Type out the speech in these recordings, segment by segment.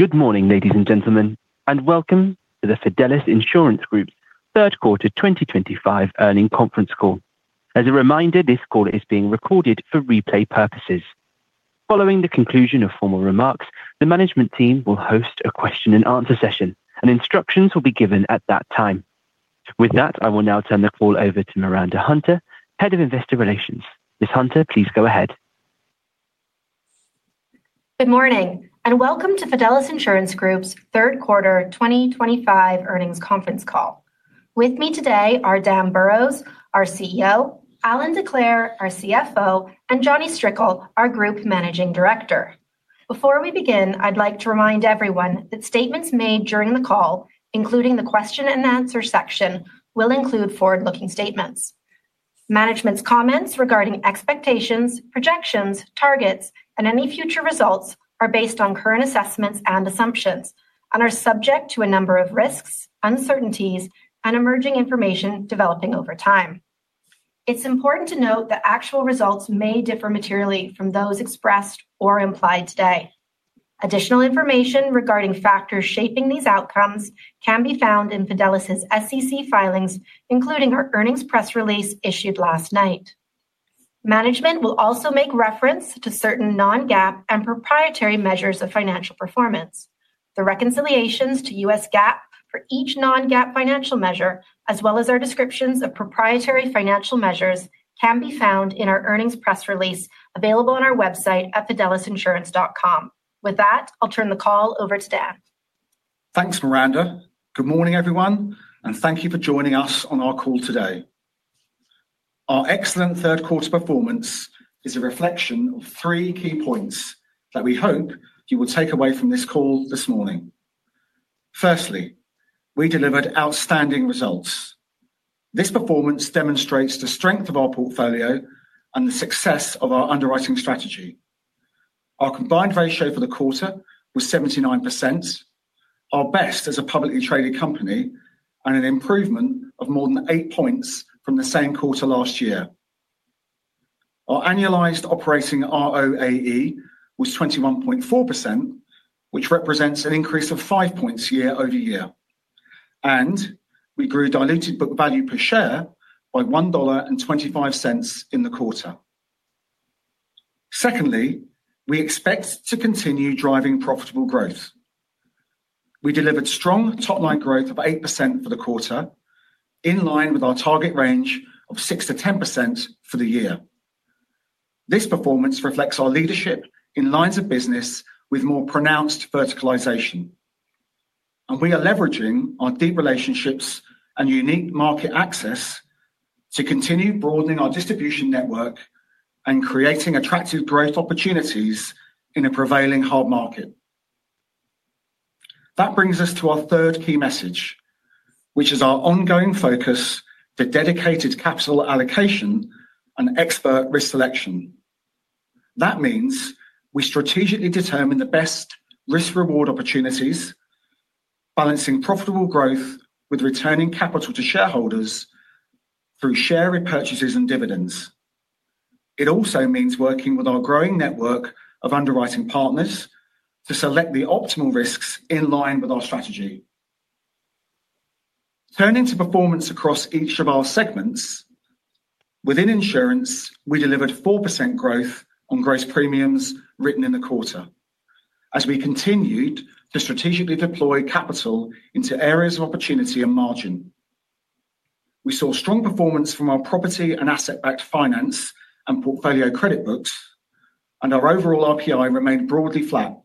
Good morning, ladies and gentlemen, and welcome to the Fidelis Insurance Group's third quarter 2025 earning conference call. As a reminder, this call is being recorded for replay purposes. Following the conclusion of formal remarks, the management team will host a question-and-answer session, and instructions will be given at that time. With that, I will now turn the call over to Miranda Hunter, Head of Investor Relations. Ms. Hunter, please go ahead. Good morning, and welcome to Fidelis Insurance Group's third quarter 2025 earnings conference call. With me today are Dan Burrows, our CEO; Allan Decleir, our CFO; and Jonny Strickle, our Group Managing Director. Before we begin, I'd like to remind everyone that statements made during the call, including the question-and-answer section, will include forward-looking statements. Management's comments regarding expectations, projections, targets, and any future results are based on current assessments and assumptions and are subject to a number of risks, uncertainties, and emerging information developing over time. It's important to note that actual results may differ materially from those expressed or implied today. Additional information regarding factors shaping these outcomes can be found in Fidelis's SEC filings, including our earnings press release issued last night. Management will also make reference to certain non-GAAP and proprietary measures of financial performance. The reconciliations to U.S. GAAP for each non-GAAP financial measure, as well as our descriptions of proprietary financial measures, can be found in our earnings press release available on our website at fidelisinsurance.com. With that, I'll turn the call over to Dan. Thanks, Miranda. Good morning, everyone, and thank you for joining us on our call today. Our excellent third quarter performance is a reflection of three key points that we hope you will take away from this call this morning. Firstly, we delivered outstanding results. This performance demonstrates the strength of our portfolio and the success of our underwriting strategy. Our combined ratio for the quarter was 79%, our best as a publicly traded company, and an improvement of more than eight points from the same quarter last year. Our annualized operating ROAE was 21.4%, which represents an increase of five points year over year, and we grew diluted book value per share by $1.25 in the quarter. Secondly, we expect to continue driving profitable growth. We delivered strong top-line growth of 8% for the quarter, in line with our target range of 6%-10% for the year. This performance reflects our leadership in lines of business with more pronounced verticalization, and we are leveraging our deep relationships and unique market access to continue broadening our distribution network and creating attractive growth opportunities in a prevailing hard market. That brings us to our third key message, which is our ongoing focus to dedicated capital allocation and expert risk selection. That means we strategically determine the best risk-reward opportunities, balancing profitable growth with returning capital to shareholders through share repurchases and dividends. It also means working with our growing network of underwriting partners to select the optimal risks in line with our strategy. Turning to performance across each of our segments, within insurance, we delivered 4% growth on gross premiums written in the quarter, as we continued to strategically deploy capital into areas of opportunity and margin. We saw strong performance from our property and asset-backed finance and portfolio credit books, and our overall RPI remained broadly flat,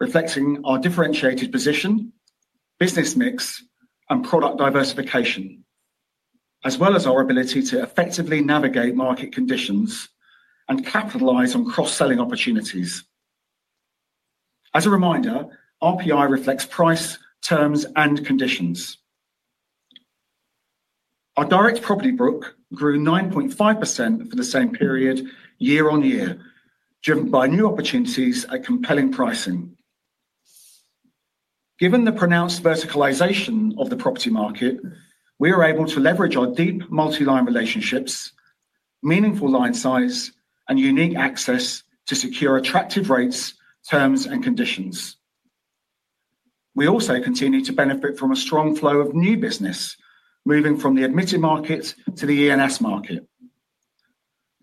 reflecting our differentiated position, business mix, and product diversification, as well as our ability to effectively navigate market conditions and capitalize on cross-selling opportunities. As a reminder, RPI reflects price, terms, and conditions. Our direct property book grew 9.5% for the same period year on year, driven by new opportunities at compelling pricing. Given the pronounced verticalization of the property market, we were able to leverage our deep multi-line relationships, meaningful line size, and unique access to secure attractive rates, terms, and conditions. We also continue to benefit from a strong flow of new business moving from the admitted market to the E&S market.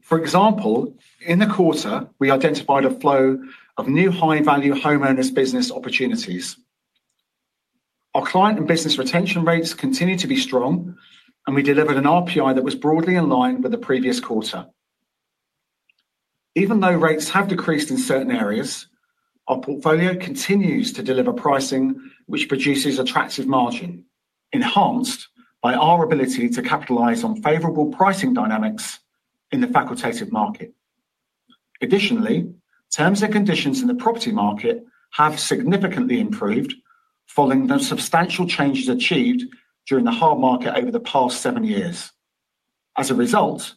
For example, in the quarter, we identified a flow of new high-value homeowners business opportunities. Our client and business retention rates continue to be strong, and we delivered an RPI that was broadly in line with the previous quarter. Even though rates have decreased in certain areas, our portfolio continues to deliver pricing which produces attractive margin, enhanced by our ability to capitalize on favorable pricing dynamics in the facultative market. Additionally, terms and conditions in the property market have significantly improved following the substantial changes achieved during the hard market over the past seven years. As a result,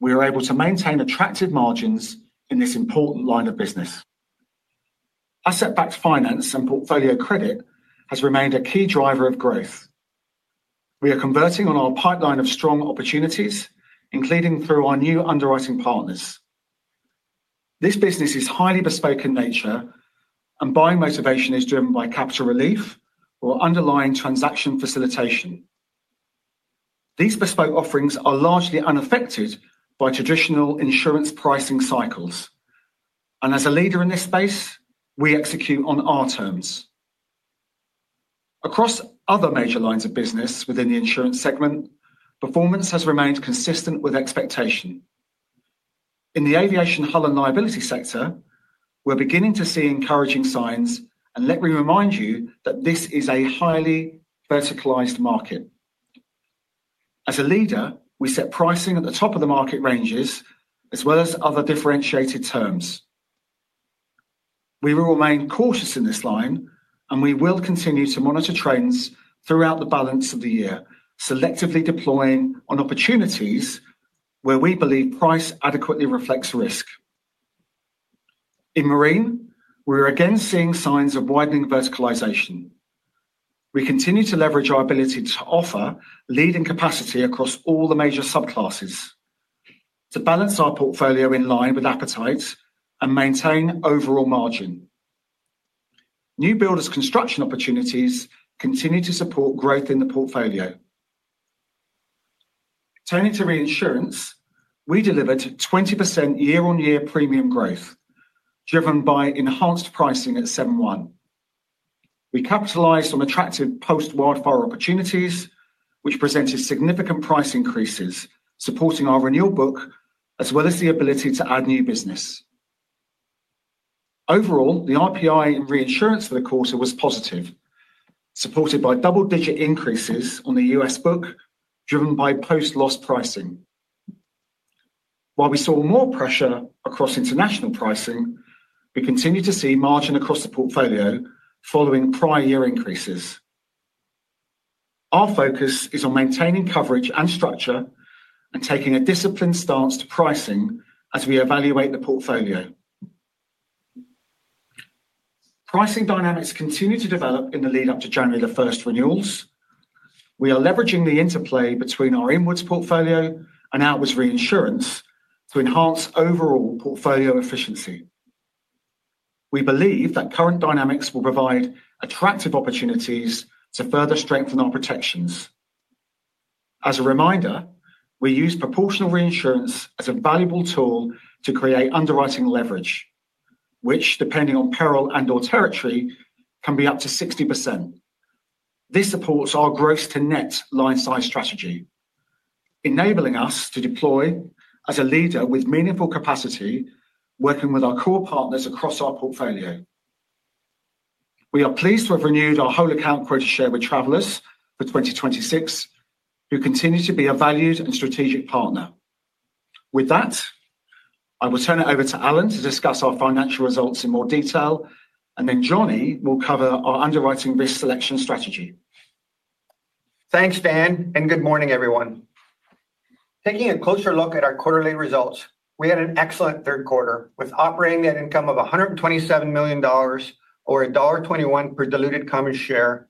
we are able to maintain attractive margins in this important line of business. Asset-backed finance and portfolio credit has remained a key driver of growth. We are converting on our pipeline of strong opportunities, including through our new underwriting partners. This business is highly bespoke in nature, and buying motivation is driven by capital relief or underlying transaction facilitation. These bespoke offerings are largely unaffected by traditional insurance pricing cycles, and as a leader in this space, we execute on our terms. Across other major lines of business within the insurance segment, performance has remained consistent with expectation. In the aviation hull and liability sector, we're beginning to see encouraging signs, and let me remind you that this is a highly verticalized market. As a leader, we set pricing at the top of the market ranges, as well as other differentiated terms. We will remain cautious in this line, and we will continue to monitor trends throughout the balance of the year, selectively deploying on opportunities where we believe price adequately reflects risk. In marine, we are again seeing signs of widening verticalization. We continue to leverage our ability to offer leading capacity across all the major subclasses to balance our portfolio in line with appetite and maintain overall margin. New builders' construction opportunities continue to support growth in the portfolio. Turning to reinsurance, we delivered 20% year-on-year premium growth, driven by enhanced pricing at 7.1. We capitalized on attractive post-wildfire opportunities, which presented significant price increases, supporting our renewal book, as well as the ability to add new business. Overall, the RPI reinsurance for the quarter was positive, supported by double-digit increases on the U.S. book, driven by post-loss pricing. While we saw more pressure across international pricing, we continue to see margin across the portfolio following prior year increases. Our focus is on maintaining coverage and structure and taking a disciplined stance to pricing as we evaluate the portfolio. Pricing dynamics continue to develop in the lead-up to January the 1st renewals. We are leveraging the interplay between our inwards portfolio and outwards reinsurance to enhance overall portfolio efficiency. We believe that current dynamics will provide attractive opportunities to further strengthen our protections. As a reminder, we use proportional reinsurance as a valuable tool to create underwriting leverage, which, depending on peril and/or territory, can be up to 60%. This supports our gross-to-net line size strategy, enabling us to deploy as a leader with meaningful capacity, working with our core partners across our portfolio. We are pleased to have renewed our whole account quota share with Travelers for 2026, who continue to be a valued and strategic partner. With that, I will turn it over to Allan to discuss our financial results in more detail, and then Jonny will cover our underwriting risk selection strategy. Thanks, Dan, and good morning, everyone. Taking a closer look at our quarterly results, we had an excellent third quarter with operating net income of $127 million, or $1.21 per diluted common share,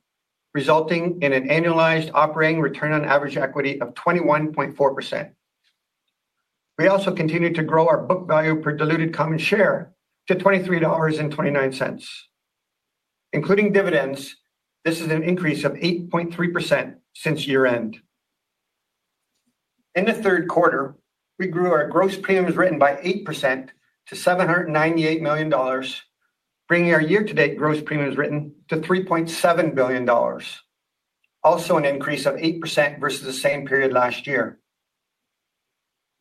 resulting in an annualized operating return on average equity of 21.4%. We also continued to grow our book value per diluted common share to $23.29. Including dividends, this is an increase of 8.3% since year-end. In the third quarter, we grew our gross premiums written by 8% to $798 million, bringing our year-to-date gross premiums written to $3.7 billion, also an increase of 8% versus the same period last year.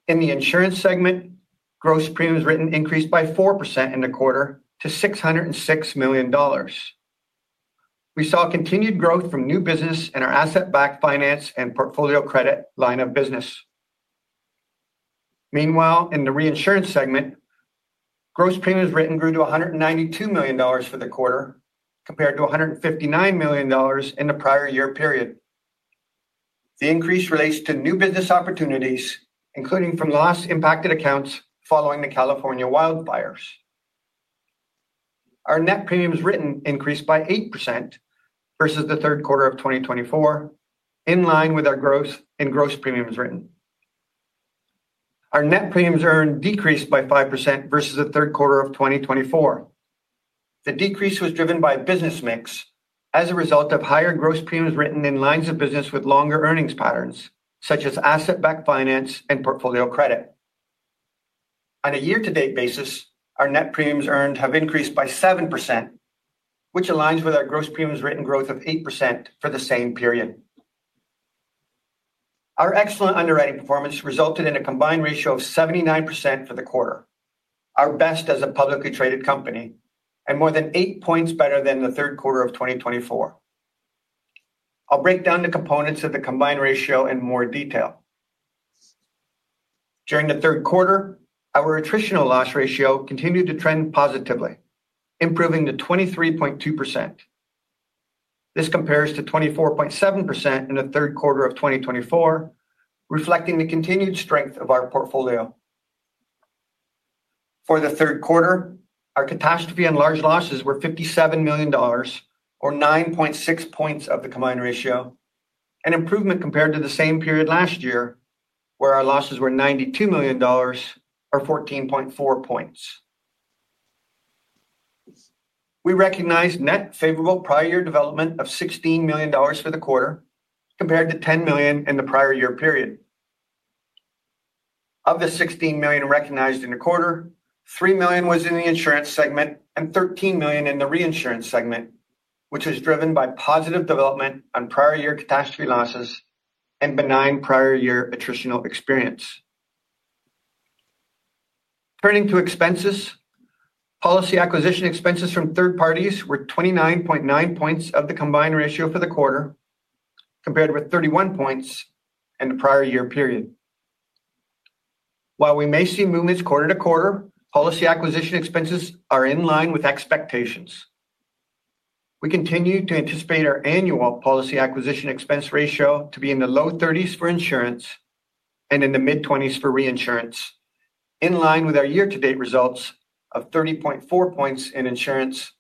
In the insurance segment, gross premiums written increased by 4% in the quarter to $606 million. We saw continued growth from new business and our asset-backed finance and portfolio credit line of business. Meanwhile, in the reinsurance segment, gross premiums written grew to $192 million for the quarter, compared to $159 million in the prior year period. The increase relates to new business opportunities, including from loss-impacted accounts following the California wildfires. Our net premiums written increased by 8% versus the third quarter of 2024, in line with our growth in gross premiums written. Our net premiums earned decreased by 5% versus the third quarter of 2024. The decrease was driven by business mix as a result of higher gross premiums written in lines of business with longer earnings patterns, such as asset-backed finance and portfolio credit. On a year-to-date basis, our net premiums earned have increased by 7%, which aligns with our gross premiums written growth of 8% for the same period. Our excellent underwriting performance resulted in a combined ratio of 79% for the quarter, our best as a publicly traded company, and more than eight percentage points better than the third quarter of 2024. I'll break down the components of the combined ratio in more detail. During the third quarter, our attritional loss ratio continued to trend positively, improving to 23.2%. This compares to 24.7% in the third quarter of 2024, reflecting the continued strength of our portfolio. For the third quarter, our catastrophe and large losses were $57 million, or 9.6 points of the combined ratio, an improvement compared to the same period last year, where our losses were $92 million, or 14.4 points. We recognized net favorable prior year development of $16 million for the quarter, compared to $10 million in the prior year period. Of the $16 million recognized in the quarter, $3 million was in the insurance segment and $13 million in the reinsurance segment, which was driven by positive development on prior year catastrophe losses and benign prior year attritional experience. Turning to expenses, policy acquisition expenses from third parties were 29.9 points of the combined ratio for the quarter, compared with 31 points in the prior year period. While we may see movements quarter to quarter, policy acquisition expenses are in line with expectations. We continue to anticipate our annual policy acquisition expense ratio to be in the low 30s% for insurance and in the mid-20s% for reinsurance, in line with our year-to-date results of 30.4 points in insurance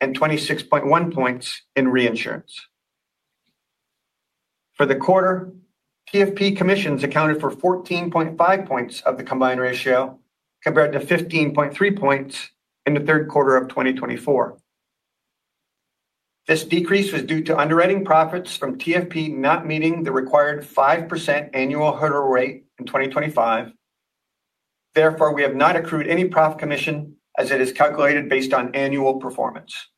and 26.1 points in reinsurance. For the quarter, PFP commissions accounted for 14.5 points of the combined ratio, compared to 15.3 points in the third quarter of 2024. This decrease was due to underwriting profits from TFP not meeting the required 5% annual hurdle rate in 2025. Therefore, we have not accrued any profit commission as it is calculated based on annual performance.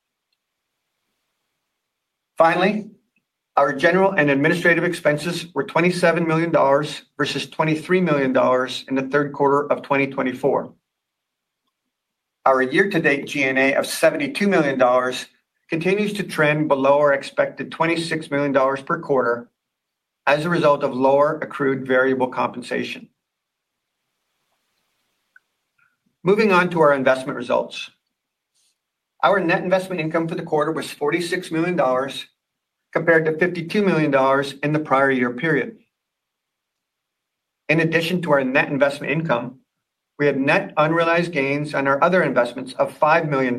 Finally, our general and administrative expenses were $27 million versus $23 million in the third quarter of 2024. Our year-to-date G&A of $72 million continues to trend below our expected $26 million per quarter as a result of lower accrued variable compensation. Moving on to our investment results, our net investment income for the quarter was $46 million, compared to $52 million in the prior year period. In addition to our net investment income, we had net unrealized gains on our other investments of $5 million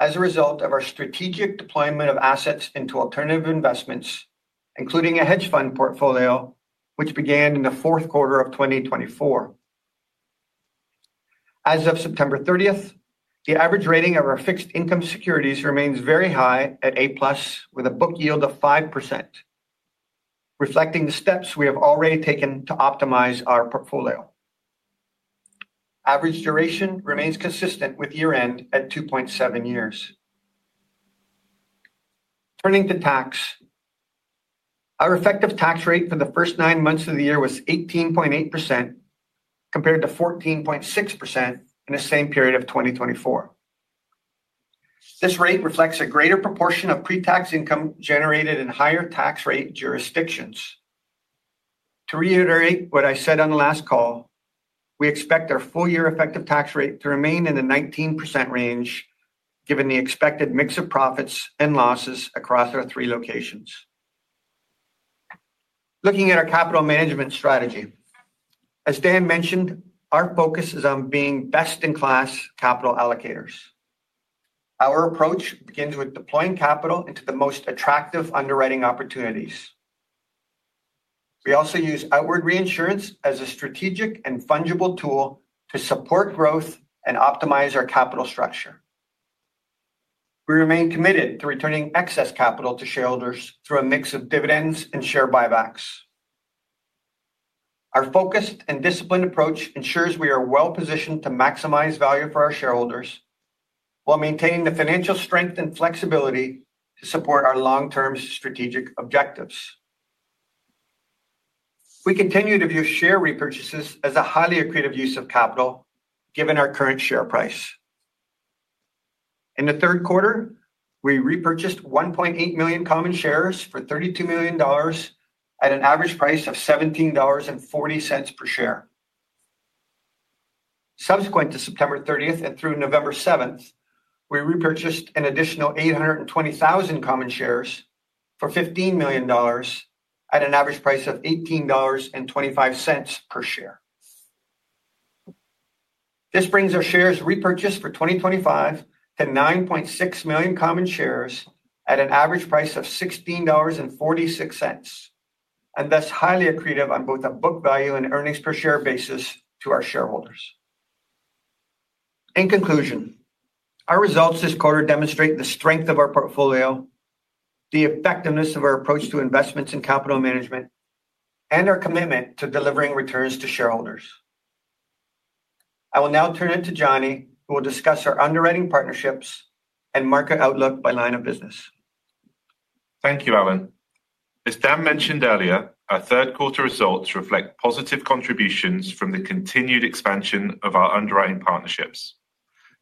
as a result of our strategic deployment of assets into alternative investments, including a hedge fund portfolio, which began in the fourth quarter of 2024. As of September 30, the average rating of our fixed income securities remains very high at A+, with a book yield of 5%, reflecting the steps we have already taken to optimize our portfolio. Average duration remains consistent with year-end at 2.7 years. Turning to tax, our effective tax rate for the first nine months of the year was 18.8%, compared to 14.6% in the same period of 2024. This rate reflects a greater proportion of pre-tax income generated in higher tax rate jurisdictions. To reiterate what I said on the last call, we expect our full-year effective tax rate to remain in the 19% range, given the expected mix of profits and losses across our three locations. Looking at our capital management strategy, as Dan mentioned, our focus is on being best-in-class capital allocators. Our approach begins with deploying capital into the most attractive underwriting opportunities. We also use outward reinsurance as a strategic and fungible tool to support growth and optimize our capital structure. We remain committed to returning excess capital to shareholders through a mix of dividends and share buybacks. Our focused and disciplined approach ensures we are well-positioned to maximize value for our shareholders while maintaining the financial strength and flexibility to support our long-term strategic objectives. We continue to view share repurchases as a highly accretive use of capital, given our current share price. In the third quarter, we repurchased 1.8 million common shares for $32 million at an average price of $17.40 per share. Subsequent to September 30 and through November 7, we repurchased an additional 820,000 common shares for $15 million at an average price of $18.25 per share. This brings our shares repurchased for 2025 to 9.6 million common shares at an average price of $16.46, and thus highly accretive on both a book value and earnings per share basis to our shareholders. In conclusion, our results this quarter demonstrate the strength of our portfolio, the effectiveness of our approach to investments and capital management, and our commitment to delivering returns to shareholders. I will now turn it to Jonny, who will discuss our underwriting partnerships and market outlook by line of business. Thank you, Allan. As Dan mentioned earlier, our third quarter results reflect positive contributions from the continued expansion of our underwriting partnerships.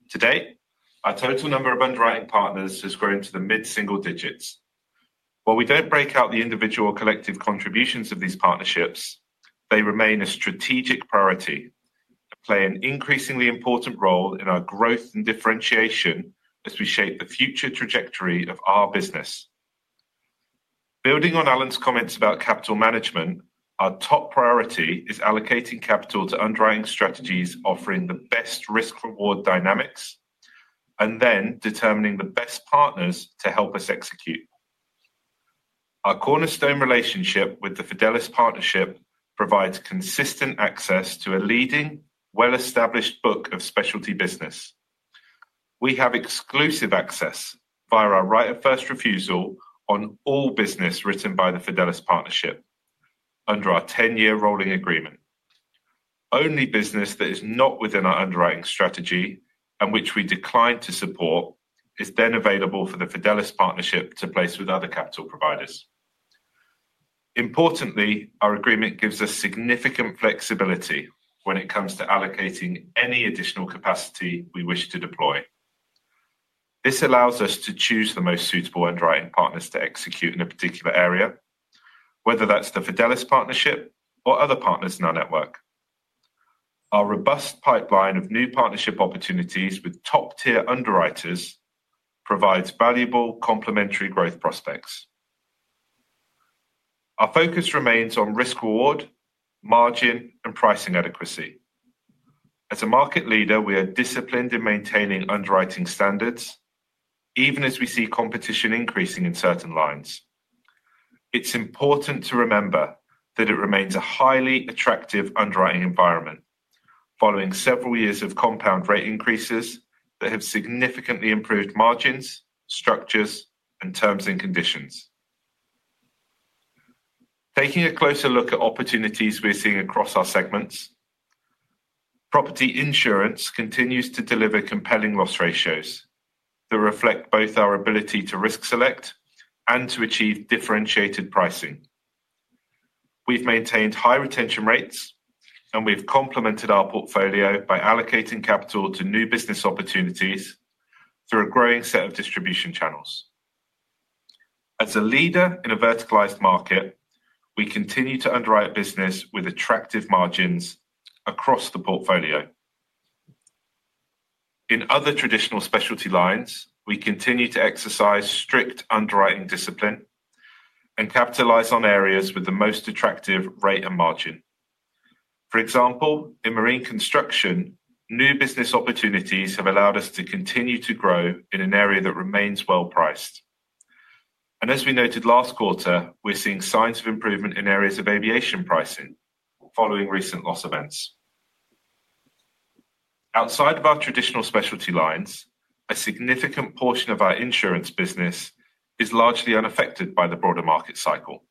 To date, our total number of underwriting partners has grown to the mid-single digits. While we do not break out the individual or collective contributions of these partnerships, they remain a strategic priority and play an increasingly important role in our growth and differentiation as we shape the future trajectory of our business. Building on Allan's comments about capital management, our top priority is allocating capital to underwriting strategies offering the best risk-reward dynamics, and then determining the best partners to help us execute. Our cornerstone relationship with the Fidelis Partnership provides consistent access to a leading, well-established book of specialty business. We have exclusive access via our right of first refusal on all business written by the Fidelis Partnership under our 10-year rolling agreement. Only business that is not within our underwriting strategy and which we decline to support is then available for the Fidelis Partnership to place with other capital providers. Importantly, our agreement gives us significant flexibility when it comes to allocating any additional capacity we wish to deploy. This allows us to choose the most suitable underwriting partners to execute in a particular area, whether that's the Fidelis Partnership or other partners in our network. Our robust pipeline of new partnership opportunities with top-tier underwriters provides valuable complementary growth prospects. Our focus remains on risk-reward, margin, and pricing adequacy. As a market leader, we are disciplined in maintaining underwriting standards, even as we see competition increasing in certain lines. It's important to remember that it remains a highly attractive underwriting environment, following several years of compound rate increases that have significantly improved margins, structures, and terms and conditions. Taking a closer look at opportunities we're seeing across our segments, property insurance continues to deliver compelling loss ratios that reflect both our ability to risk select and to achieve differentiated pricing. We've maintained high retention rates, and we've complemented our portfolio by allocating capital to new business opportunities through a growing set of distribution channels. As a leader in a verticalized market, we continue to underwrite business with attractive margins across the portfolio. In other traditional specialty lines, we continue to exercise strict underwriting discipline and capitalize on areas with the most attractive rate and margin. For example, in marine construction, new business opportunities have allowed us to continue to grow in an area that remains well-priced. As we noted last quarter, we're seeing signs of improvement in areas of aviation pricing, following recent loss events. Outside of our traditional specialty lines, a significant portion of our insurance business is largely unaffected by the broader market cycle,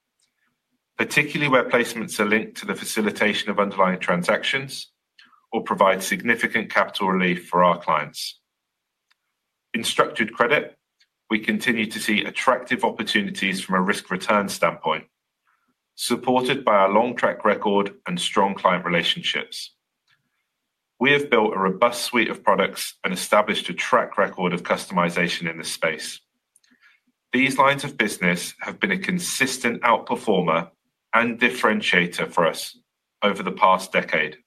particularly where placements are linked to the facilitation of underlying transactions or provide significant capital relief for our clients. In structured credit, we continue to see attractive opportunities from a risk-return standpoint, supported by our long track record and strong client relationships. We have built a robust suite of products and established a track record of customization in this space. These lines of business have been a consistent outperformer and differentiator for us over the past decade.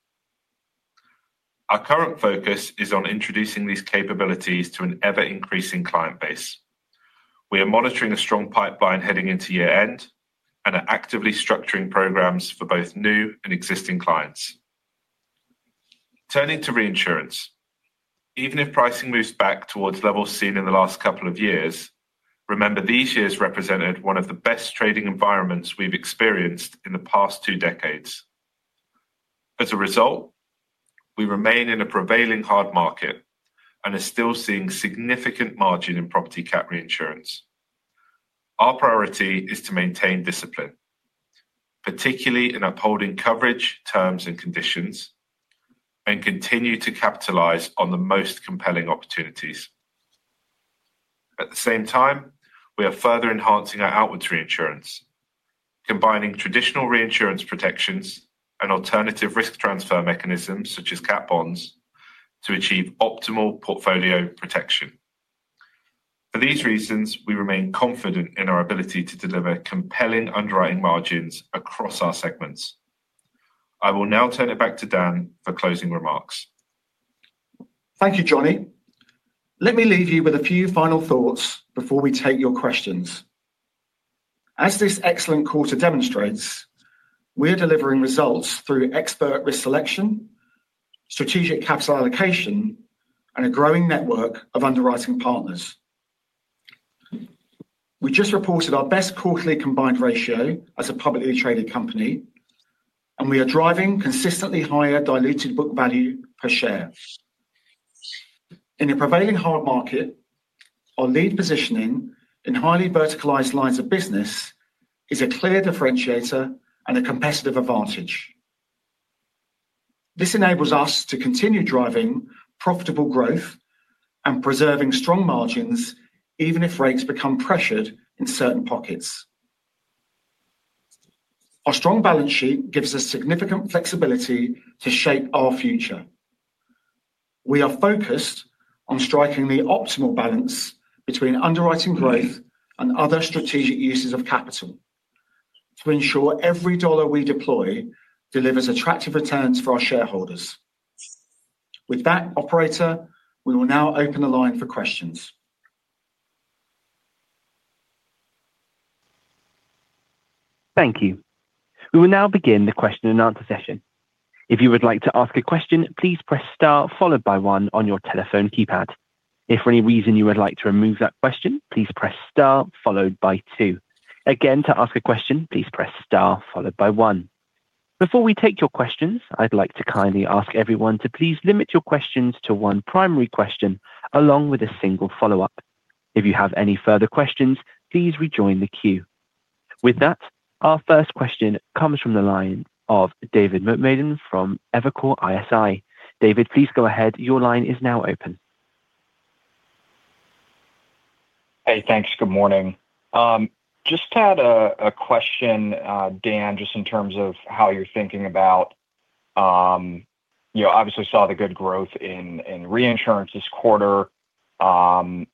Our current focus is on introducing these capabilities to an ever-increasing client base. We are monitoring a strong pipeline heading into year-end and are actively structuring programs for both new and existing clients. Turning to reinsurance, even if pricing moves back towards levels seen in the last couple of years, remember these years represented one of the best trading environments we've experienced in the past two decades. As a result, we remain in a prevailing hard market and are still seeing significant margin in property cap reinsurance. Our priority is to maintain discipline, particularly in upholding coverage terms and conditions, and continue to capitalize on the most compelling opportunities. At the same time, we are further enhancing our outward reinsurance, combining traditional reinsurance protections and alternative risk transfer mechanisms such as cap bonds to achieve optimal portfolio protection. For these reasons, we remain confident in our ability to deliver compelling underwriting margins across our segments. I will now turn it back to Dan for closing remarks. Thank you, Jonny. Let me leave you with a few final thoughts before we take your questions. As this excellent quarter demonstrates, we are delivering results through expert risk selection, strategic capital allocation, and a growing network of underwriting partners. We just reported our best quarterly combined ratio as a publicly traded company, and we are driving consistently higher diluted book value per share. In a prevailing hard market, our lead positioning in highly verticalized lines of business is a clear differentiator and a competitive advantage. This enables us to continue driving profitable growth and preserving strong margins even if rates become pressured in certain pockets. Our strong balance sheet gives us significant flexibility to shape our future. We are focused on striking the optimal balance between underwriting growth and other strategic uses of capital to ensure every dollar we deploy delivers attractive returns for our shareholders. With that, Operator, we will now open the line for questions. Thank you. We will now begin the question and answer session. If you would like to ask a question, please press star followed by one on your telephone keypad. If for any reason you would like to remove that question, please press star followed by two. Again, to ask a question, please press star followed by one. Before we take your questions, I'd like to kindly ask everyone to please limit your questions to one primary question along with a single follow-up. If you have any further questions, please rejoin the queue. With that, our first question comes from the line of David Motemaden from Evercore ISI. David, please go ahead. Your line is now open. Hey, thanks. Good morning. Just had a question, Dan, just in terms of how you're thinking about obviously saw the good growth in reinsurance this quarter. How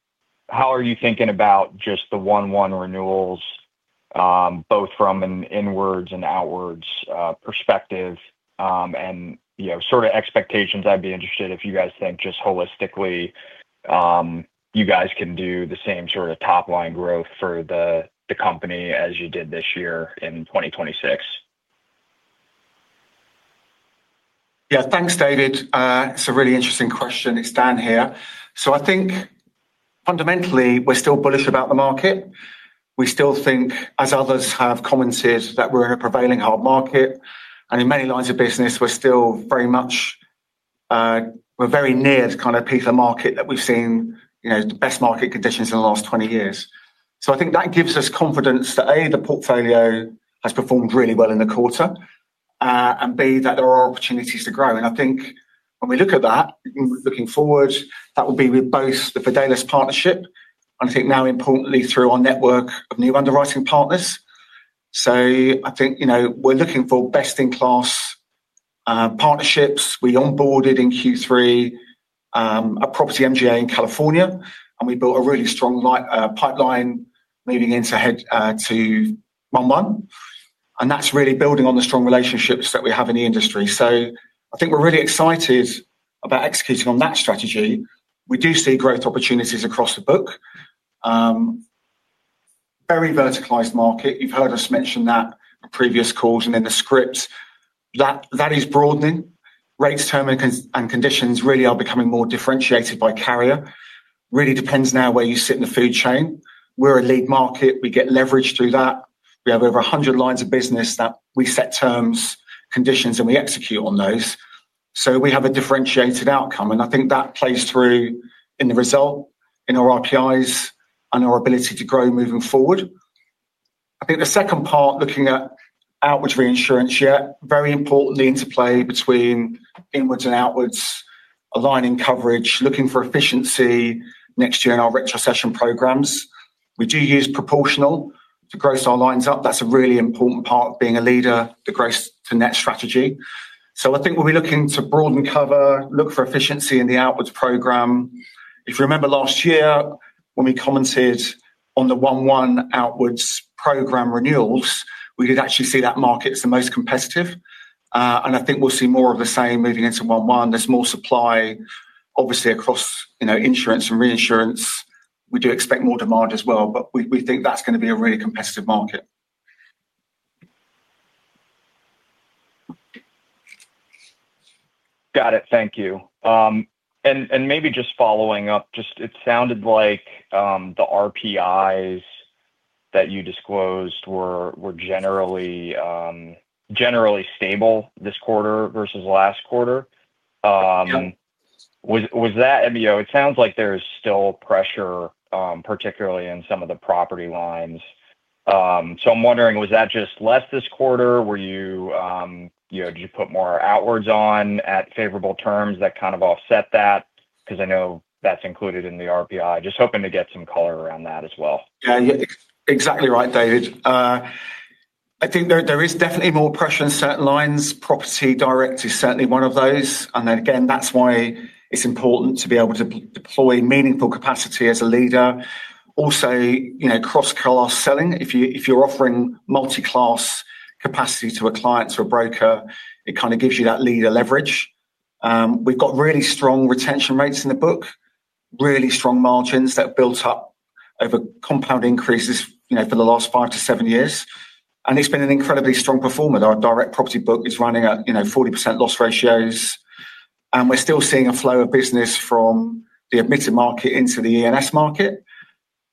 are you thinking about just the one-to-one renewals, both from an inwards and outwards perspective? And sort of expectations, I'd be interested if you guys think just holistically you guys can do the same sort of top-line growth for the company as you did this year in 2026. Yeah, thanks, David. It's a really interesting question. It's Dan here. So I think fundamentally we're still bullish about the market. We still think, as others have commented, that we're in a prevailing hard market. And in many lines of business, we're still very much we're very near the kind of piece of market that we've seen the best market conditions in the last 20 years. So I think that gives us confidence that, A, the portfolio has performed really well in the quarter, and B, that there are opportunities to grow. And I think when we look at that, looking forward, that will be with both the Fidelis Partnership, and I think now importantly through our network of new underwriting partners. So I think we're looking for best-in-class partnerships. We onboarded in Q3 a property MGA in California, and we built a really strong pipeline moving into head to one-to-one. That is really building on the strong relationships that we have in the industry. I think we're really excited about executing on that strategy. We do see growth opportunities across the book. Very verticalized market. You've heard us mention that in previous calls and in the scripts. That is broadening. Rates, term, and conditions really are becoming more differentiated by carrier. It really depends now where you sit in the food chain. We're a lead market. We get leverage through that. We have over 100 lines of business that we set terms, conditions, and we execute on those. We have a differentiated outcome. I think that plays through in the result, in our RPIs and our ability to grow moving forward. I think the second part, looking at outward reinsurance, yeah, very importantly interplay between inwards and outwards, aligning coverage, looking for efficiency next year in our retrocession programs. We do use proportional to gross our lines up. That's a really important part of being a leader, the gross-to-net strategy. I think we'll be looking to broaden cover, look for efficiency in the outwards program. If you remember last year when we commented on the one-to-one outwards program renewals, we did actually see that market's the most competitive. I think we'll see more of the same moving into one-to-one. There's more supply, obviously, across insurance and reinsurance. We do expect more demand as well, but we think that's going to be a really competitive market. Got it. Thank you. Maybe just following up, it sounded like the RPIs that you disclosed were generally stable this quarter versus last quarter. Was that, it sounds like there is still pressure, particularly in some of the property lines. I am wondering, was that just less this quarter? Did you put more outwards on at favorable terms that kind of offset that? I know that is included in the RPI. Just hoping to get some color around that as well. Yeah, exactly right, David. I think there is definitely more pressure in certain lines. Property direct is certainly one of those. And then again, that's why it's important to be able to deploy meaningful capacity as a leader. Also, cross-class selling. If you're offering multi-class capacity to a client or a broker, it kind of gives you that leader leverage. We've got really strong retention rates in the book, really strong margins that have built up over compound increases for the last five to seven years. And it's been an incredibly strong performer. Our direct property book is running at 40% loss ratios. And we're still seeing a flow of business from the admitted market into the E&S market.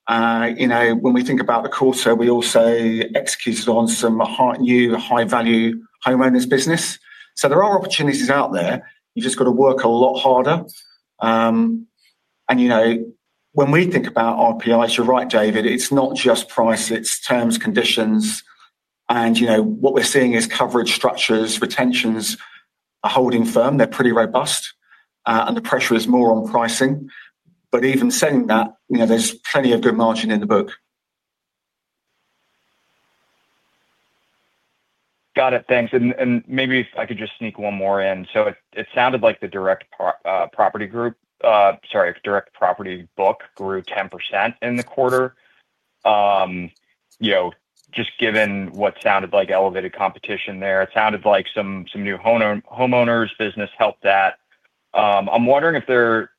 When we think about the quarter, we also executed on some new high-value homeowners business. So there are opportunities out there. You've just got to work a lot harder. And when we think about RPIs, you're right, David. It's not just price. It's terms, conditions. And what we're seeing is coverage structures, retentions. A holding firm, they're pretty robust. And the pressure is more on pricing. But even saying that, there's plenty of good margin in the book. Got it. Thanks. And maybe if I could just sneak one more in. So it sounded like the direct property group, sorry, direct property book grew 10% in the quarter. Just given what sounded like elevated competition there, it sounded like some new homeowners business helped that. I'm wondering if there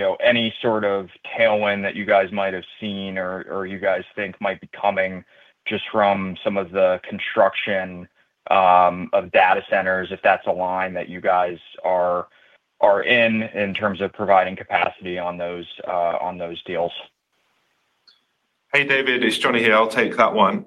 are any sort of tailwind that you guys might have seen or you guys think might be coming just from some of the construction of data centers, if that's a line that you guys are in in terms of providing capacity on those deals. Hey, David, it's Jonny here. I'll take that one.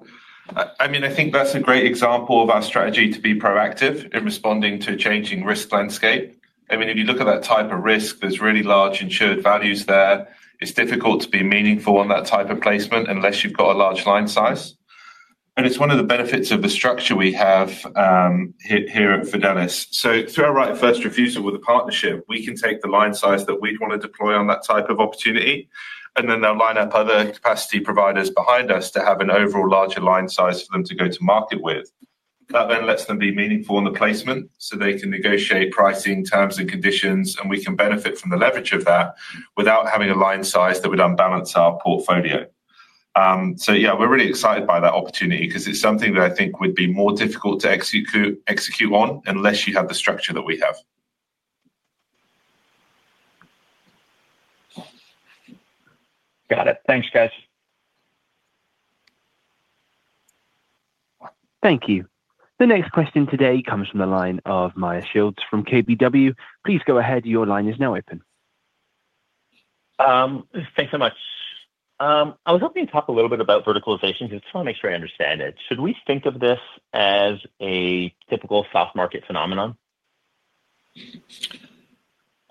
I mean, I think that's a great example of our strategy to be proactive in responding to a changing risk landscape. I mean, if you look at that type of risk, there's really large insured values there. It's difficult to be meaningful on that type of placement unless you've got a large line size. And it's one of the benefits of the structure we have here at Fidelis. So through our right first refusal with the partnership, we can take the line size that we'd want to deploy on that type of opportunity, and then they'll line up other capacity providers behind us to have an overall larger line size for them to go to market with. That then lets them be meaningful on the placement so they can negotiate pricing, terms, and conditions, and we can benefit from the leverage of that without having a line size that would unbalance our portfolio. So yeah, we're really excited by that opportunity because it's something that I think would be more difficult to execute on unless you have the structure that we have. Got it. Thanks, guys. Thank you. The next question today comes from the line of Meyer Shields from KBW. Please go ahead. Your line is now open. Thanks so much. I was hoping to talk a little bit about verticalization because I just want to make sure I understand it. Should we think of this as a typical soft market phenomenon?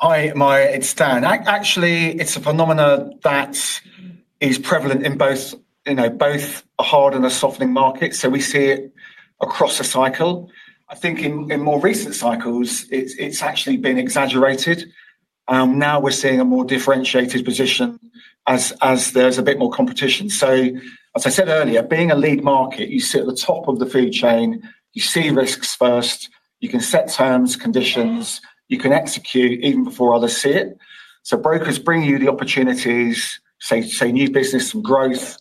Hi, Meyer. It's Dan. Actually, it's a phenomenon that is prevalent in both a hard and a softening market. So we see it across a cycle. I think in more recent cycles, it's actually been exaggerated. Now we're seeing a more differentiated position as there's a bit more competition. So as I said earlier, being a lead market, you sit at the top of the food chain. You see risks first. You can set terms, conditions. You can execute even before others see it. So brokers bring you the opportunities, say, new business and growth,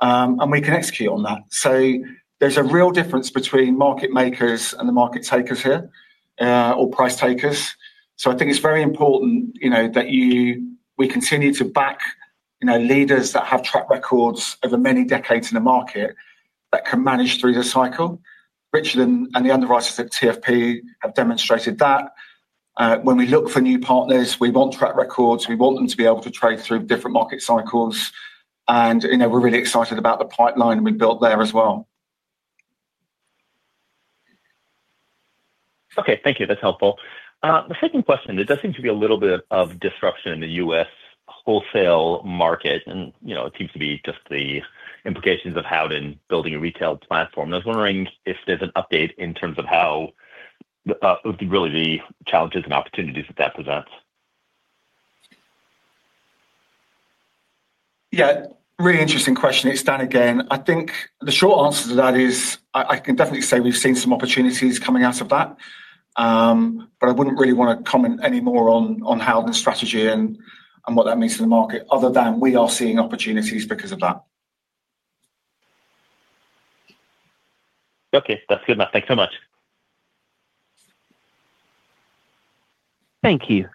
and we can execute on that. So there's a real difference between market makers and the market takers here or price takers. So I think it's very important that we continue to back leaders that have track records over many decades in the market that can manage through the cycle. Richards and the underwriters at TFP have demonstrated that. When we look for new partners, we want track records. We want them to be able to trade through different market cycles. We are really excited about the pipeline we built there as well. Okay. Thank you. That's helpful. The second question, there does seem to be a little bit of disruption in the U.S. wholesale market. And it seems to be just the implications of how to build a retail platform. I was wondering if there's an update in terms of really the challenges and opportunities that that presents. Yeah, really interesting question. It's Dan again. I think the short answer to that is I can definitely say we've seen some opportunities coming out of that. But I wouldn't really want to comment any more on how the strategy and what that means to the market other than we are seeing opportunities because of that. Okay. That's good enough. Thanks so much. Thank you.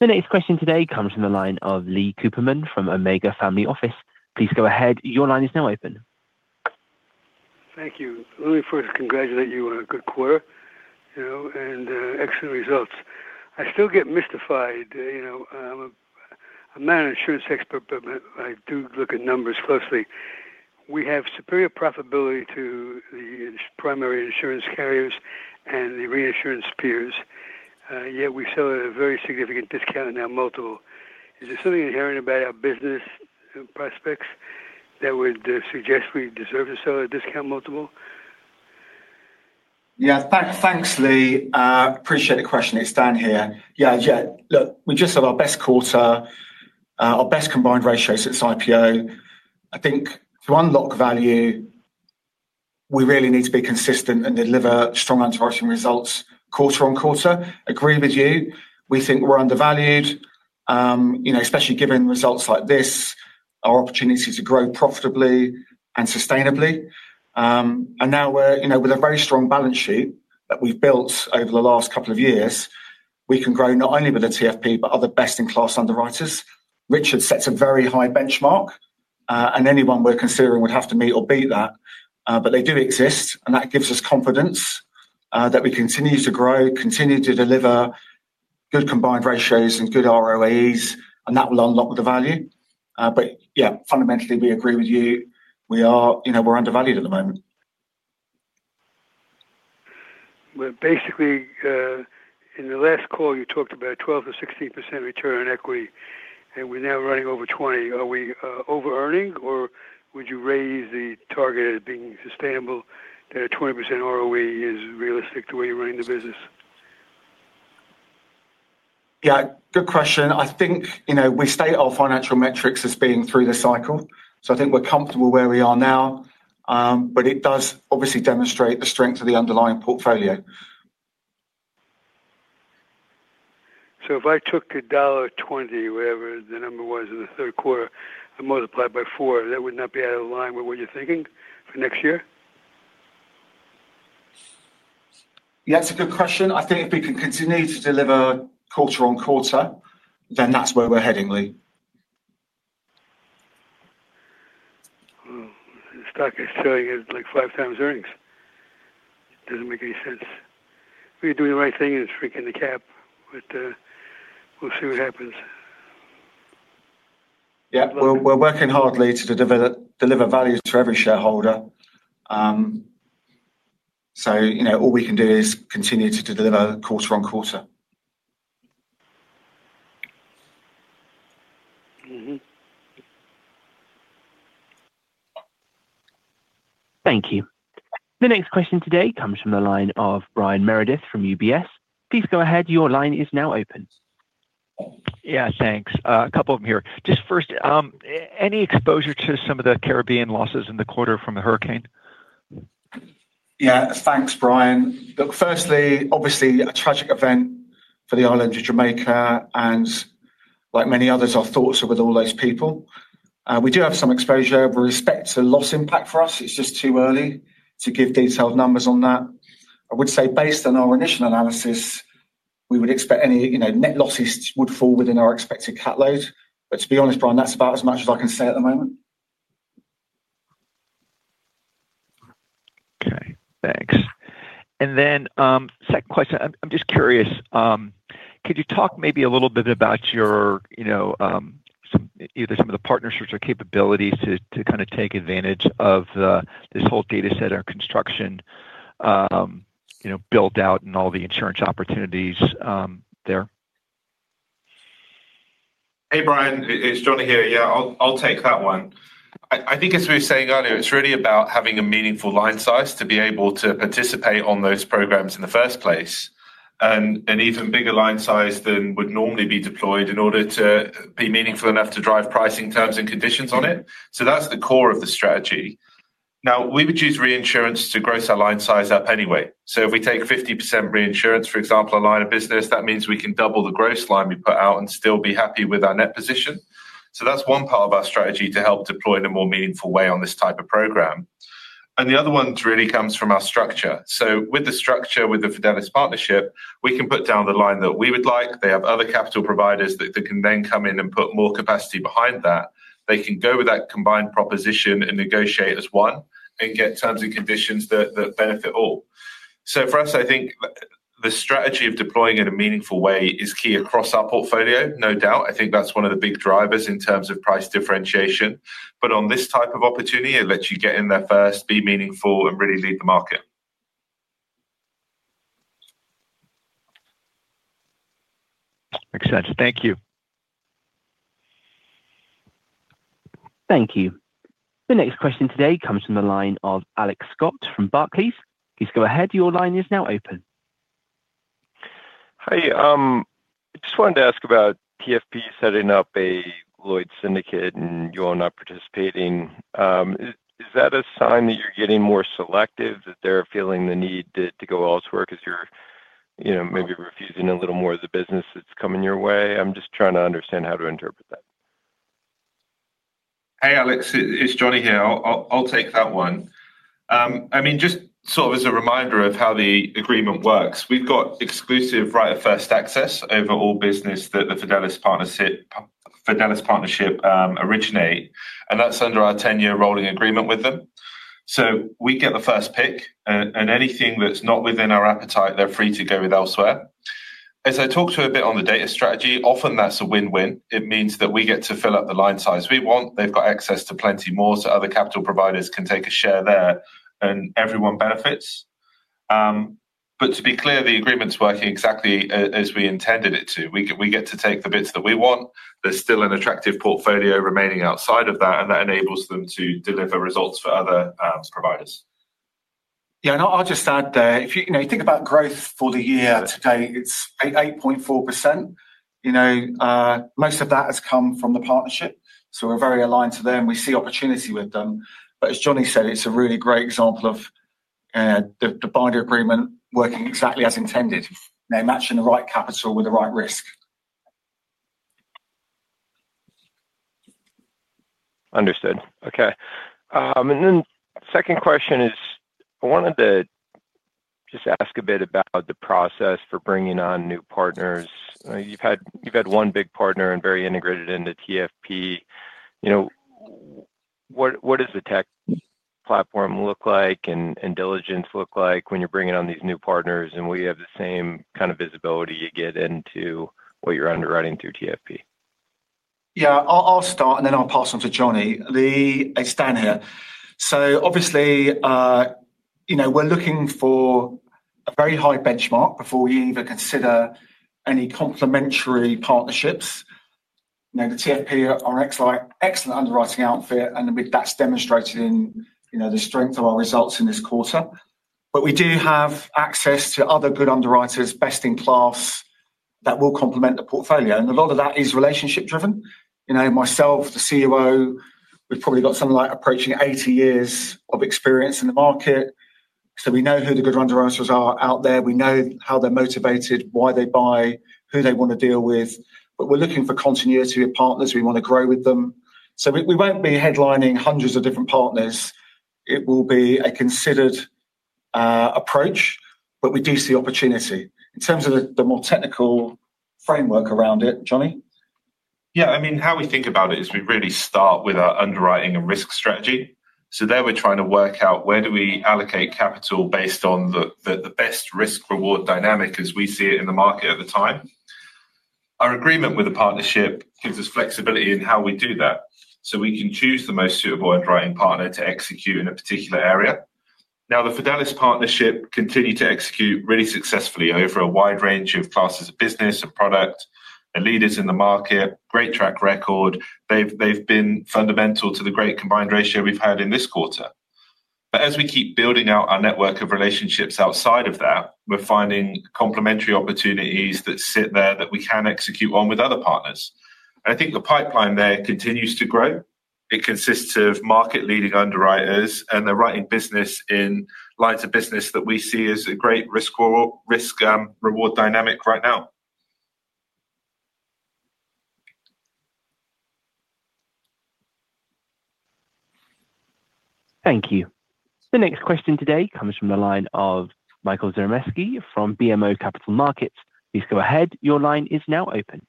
The next question today comes from the line of Lee Cooperman from Omega Family Office. Please go ahead. Your line is now open. Thank you. Let me first congratulate you on a good quarter and excellent results. I still get mystified. I'm a man insurance expert, but I do look at numbers closely. We have superior profitability to the primary insurance carriers and the reinsurance peers. Yet we sell at a very significant discount in our multiple. Is there something inherent about our business prospects that would suggest we deserve to sell a discount multiple? Yeah. Thanks, Lee. Appreciate the question. It's Dan here. Yeah. Look, we just had our best quarter, our best combined ratios since IPO. I think to unlock value, we really need to be consistent and deliver strong underwriting results quarter on quarter. Agree with you. We think we're undervalued, especially given results like this, our opportunities to grow profitably and sustainably. And now we're with a very strong balance sheet that we've built over the last couple of years. We can grow not only with the TFP, but other best-in-class underwriters. Richards sets a very high benchmark, and anyone we're considering would have to meet or beat that. But they do exist, and that gives us confidence that we continue to grow, continue to deliver good combined ratios and good ROEs, and that will unlock the value. But yeah, fundamentally, we agree with you. We're undervalued at the moment. Basically, in the last call, you talked about a 12%-16% return on equity, and we're now running over 20%. Are we over-earning, or would you raise the target as being sustainable that a 20% ROE is realistic the way you're running the business? Yeah. Good question. I think we state our financial metrics as being through the cycle. I think we're comfortable where we are now, but it does obviously demonstrate the strength of the underlying portfolio. So if I took $1.20, whatever the number was in the third quarter, and multiplied by four, that would not be out of line with what you're thinking for next year? Yeah, that's a good question. I think if we can continue to deliver quarter on quarter, then that's where we're heading, Lee. Stock is selling at like 5x earnings. Doesn't make any sense. We're doing the right thing and it's freaking the cap, but we'll see what happens. Yeah. We're working hard Lee to deliver value to every shareholder. So all we can do is continue to deliver quarter on quarter. Thank you. The next question today comes from the line of Brian Meredith from UBS. Please go ahead. Your line is now open. Yeah, thanks. A couple of them here. Just first, any exposure to some of the Caribbean losses in the quarter from the hurricane? Yeah. Thanks, Brian. Look, firstly, obviously, a tragic event for the island of Jamaica. And like many others, our thoughts are with all those people. We do have some exposure. With respect to loss impact for us, it's just too early to give detailed numbers on that. I would say based on our initial analysis, we would expect any net losses would fall within our expected cap load. But to be honest, Brian, that's about as much as I can say at the moment. Okay. Thanks. And then, second question, I'm just curious, could you talk maybe a little bit about either some of the partnerships or capabilities to kind of take advantage of this whole data center construction build-out and all the insurance opportunities there? Hey, Brian. It's Johnny here. Yeah, I'll take that one. I think as we were saying earlier, it's really about having a meaningful line size to be able to participate on those programs in the first place. And an even bigger line size than would normally be deployed in order to be meaningful enough to drive pricing terms and conditions on it. So that's the core of the strategy. Now, we would use reinsurance to gross our line size up anyway. So if we take 50% reinsurance, for example, a line of business, that means we can double the gross line we put out and still be happy with our net position. So that's one part of our strategy to help deploy in a more meaningful way on this type of program. And the other one really comes from our structure. So with the structure with the Fidelis partnership, we can put down the line that we would like. They have other capital providers that can then come in and put more capacity behind that. They can go with that combined proposition and negotiate as one and get terms and conditions that benefit all. So for us, I think the strategy of deploying in a meaningful way is key across our portfolio, no doubt. I think that's one of the big drivers in terms of price differentiation. But on this type of opportunity, it lets you get in there first, be meaningful, and really lead the market. Makes sense. Thank you. Thank you. The next question today comes from the line of Alex Scott from Barclays. Please go ahead. Your line is now open. Hey, I just wanted to ask about TFP setting up a Lloyds Syndicate and you are not participating. Is that a sign that you're getting more selective, that they're feeling the need to go elsewhere because you're maybe refusing a little more of the business that's coming your way? I'm just trying to understand how to interpret that. Hey, Alex, it's Jonny here. I'll take that one. I mean, just sort of as a reminder of how the agreement works. We've got exclusive right of first access over all business that the Fidelis partnership originate. And that's under our 10-year rolling agreement with them. So we get the first pick. And anything that's not within our appetite, they're free to go with elsewhere. As I talked to you a bit on the data strategy, often that's a win-win. It means that we get to fill up the line size we want. They've got access to plenty more so other capital providers can take a share there, and everyone benefits. But to be clear, the agreement's working exactly as we intended it to. We get to take the bits that we want. There's still an attractive portfolio remaining outside of that, and that enables them to deliver results for other providers. Yeah. I'll just add there, if you think about growth for the year to date, it's 8.4%. Most of that has come from the partnership. So we're very aligned to them. We see opportunity with them. But as Jonny said, it's a really great example of the binder agreement working exactly as intended, matching the right capital with the right risk. Understood. Okay. And then second question is I wanted to just ask a bit about the process for bringing on new partners. You've had one big partner and very integrated into TFP. What does the tech platform look like and diligence look like when you're bringing on these new partners? And will you have the same kind of visibility you get into what you're underwriting through TFP? Yeah. I'll start, and then I'll pass on to Jonny. Lee, it's Dan here. So obviously, we're looking for a very high benchmark before we even consider any complementary partnerships. The TFP are an excellent underwriting outfit, and that's demonstrated in the strength of our results in this quarter. But we do have access to other good underwriters, best in class, that will complement the portfolio. And a lot of that is relationship-driven. Myself, the COO, we've probably got something like approaching 80 years of experience in the market. So we know who the good underwriters are out there. We know how they're motivated, why they buy, who they want to deal with. But we're looking for continuity of partners. We want to grow with them. So we won't be headlining hundreds of different partners. It will be a considered approach, but we do see opportunity. In terms of the more technical framework around it, Jonny? Yeah. I mean, how we think about it is we really start with our underwriting and risk strategy. So there we're trying to work out where do we allocate capital based on the best risk-reward dynamic as we see it in the market at the time. Our agreement with the partnership gives us flexibility in how we do that. So we can choose the most suitable underwriting partner to execute in a particular area. Now, the Fidelis partnership continued to execute really successfully over a wide range of classes of business and product, and leaders in the market, great track record. They've been fundamental to the great combined ratio we've had in this quarter. But as we keep building out our network of relationships outside of that, we're finding complementary opportunities that sit there that we can execute on with other partners. And I think the pipeline there continues to grow. It consists of market-leading underwriters, and they're writing business in lines of business that we see as a great risk-reward dynamic right now. Thank you. The next question today comes from the line of Michael Zaremski from BMO Capital Markets. Please go ahead. Your line is now open.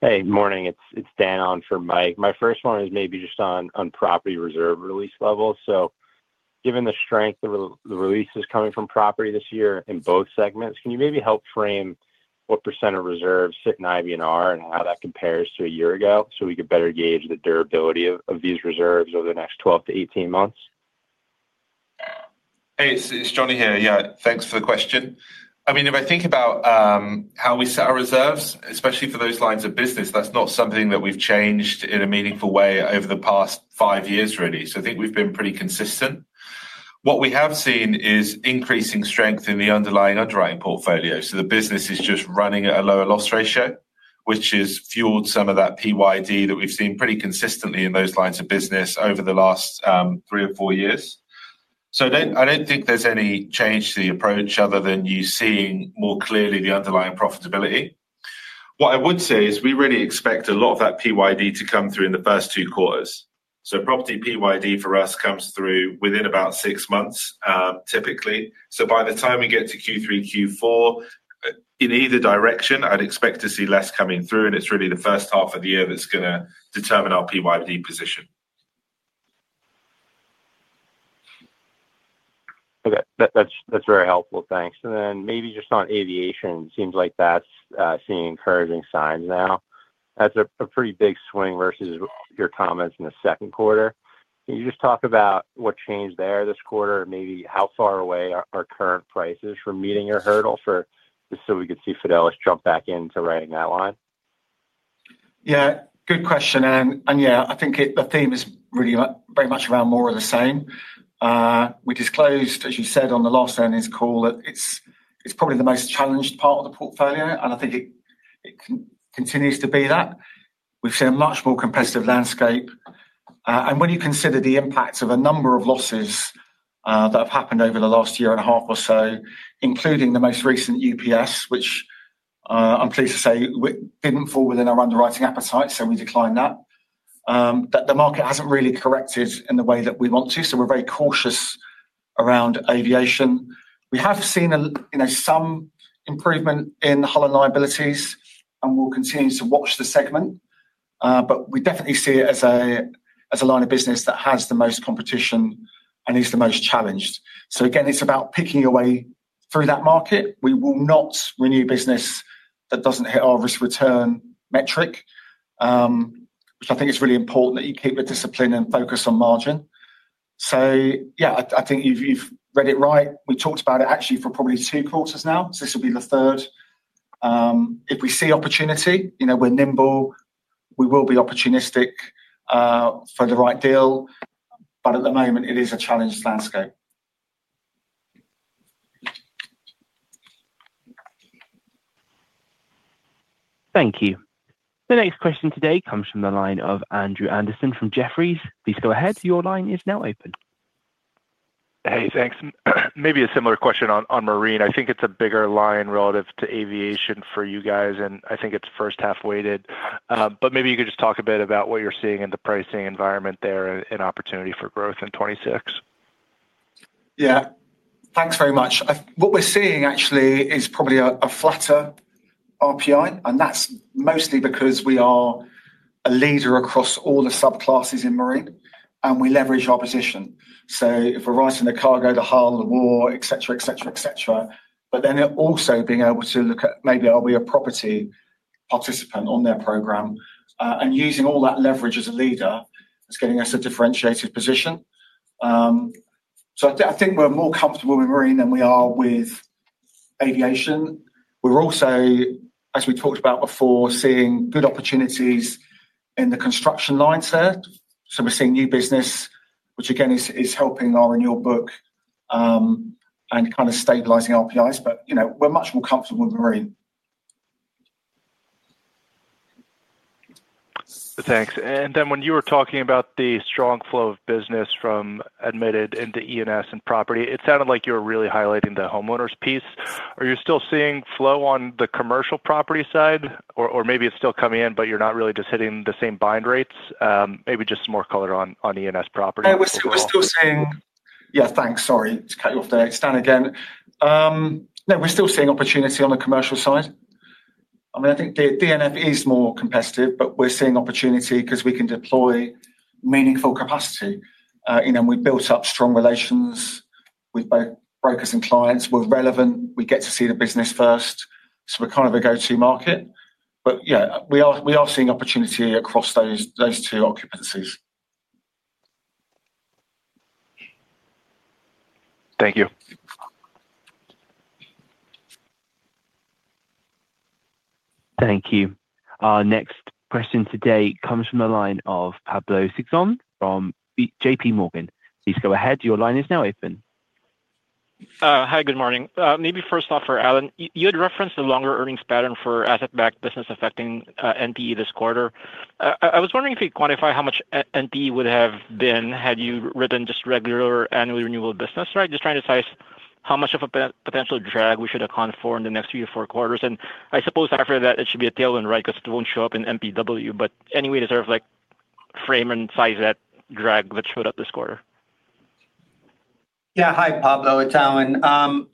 Hey, morning. It's Dan on for Mike. My first one is maybe just on property reserve release levels. So given the strength of the releases coming from property this year in both segments, can you maybe help frame what percent of reserves sit in IBNR and how that compares to a year ago so we could better gauge the durability of these reserves over the next 12-18 months? Hey, it's Jonny here. Yeah. Thanks for the question. I mean, if I think about how we set our reserves, especially for those lines of business, that's not something that we've changed in a meaningful way over the past five years really. So I think we've been pretty consistent. What we have seen is increasing strength in the underlying underwriting portfolio. So the business is just running at a lower loss ratio, which has fueled some of that PYD that we've seen pretty consistently in those lines of business over the last three or four years. So I don't think there's any change to the approach other than you seeing more clearly the underlying profitability. What I would say is we really expect a lot of that PYD to come through in the first two quarters. So property PYD for us comes through within about six months, typically. So by the time we get to Q3, Q4, in either direction, I'd expect to see less coming through. And it's really the first half of the year that's going to determine our PYD position. Okay. That's very helpful. Thanks. And then maybe just on aviation, it seems like that's seeing encouraging signs now. That's a pretty big swing versus your comments in the second quarter. Can you just talk about what changed there this quarter? Maybe how far away are current prices from meeting your hurdle so we could see Fidelis jump back into writing that line? Yeah. Good question. And yeah, I think the theme is very much around more of the same. We disclosed, as you said, on the loss earnings call that it's probably the most challenged part of the portfolio. And I think it continues to be that. We've seen a much more competitive landscape. And when you consider the impact of a number of losses that have happened over the last year and a half or so, including the most recent UPS, which I'm pleased to say didn't fall within our underwriting appetite, so we declined that, that the market hasn't really corrected in the way that we want to. So we're very cautious around aviation. We have seen some improvement in hull and liabilities, and we'll continue to watch the segment. But we definitely see it as a line of business that has the most competition and is the most challenged. So again, it's about picking your way through that market. We will not renew business that doesn't hit our risk-return metric, which I think is really important that you keep with discipline and focus on margin. So yeah, I think you've read it right. We talked about it actually for probably two quarters now. So this will be the third. If we see opportunity, we're nimble. We will be opportunistic for the right deal. But at the moment, it is a challenged landscape. Thank you. The next question today comes from the line of Andrew Andersen from Jefferies. Please go ahead. Your line is now open. Hey, thanks. Maybe a similar question on marine. I think it's a bigger line relative to aviation for you guys, and I think it's first half weighted. But maybe you could just talk a bit about what you're seeing in the pricing environment there and opportunity for growth in 2026. Yeah. Thanks very much. What we're seeing actually is probably a flatter RPI. And that's mostly because we are a leader across all the subclasses in marine, and we leverage our position. So if we're writing the cargo, the hull, the war, etc., etc., etc., but then also being able to look at maybe are we a property participant on their program and using all that leverage as a leader is getting us a differentiated position. So I think we're more comfortable with marine than we are with aviation. We're also, as we talked about before, seeing good opportunities in the construction lines there. So we're seeing new business, which again is helping our annual book and kind of stabilizing RPIs. But we're much more comfortable with marine. Thanks. When you were talking about the strong flow of business from admitted into E&S and property, it sounded like you were really highlighting the homeowners piece. Are you still seeing flow on the commercial property side? Or maybe it's still coming in, but you're not really just hitting the same bind rates? Maybe just some more color on E&S property. I was still seeing—yeah, thanks. Sorry to cut you off there. It's Dan again. No, we're still seeing opportunity on the commercial side. I mean, I think D&F is more competitive, but we're seeing opportunity because we can deploy meaningful capacity. We've built up strong relations with both brokers and clients. We're relevant. We get to see the business first. So we're kind of a go-to market. But yeah, we are seeing opportunity across those two occupancies. Thank you. Thank you. Our next question today comes from the line of Pablo Singzon from JPMorgan. Please go ahead. Your line is now open. Hi, good morning. Maybe first off for Allan, you had referenced a longer earnings pattern for asset-backed business affecting NPE this quarter. I was wondering if you'd quantify how much NPE would have been had you written just regular annual renewal of business, right? Just trying to size how much of a potential drag we should account for in the next three or four quarters. I suppose after that, it should be a tailwind, right, because it won't show up in NPW. But any way to sort of frame and size that drag that showed up this quarter? Yeah. Hi, Pablo. It's Allan.